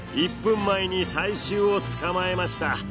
１分前に最終をつかまえました。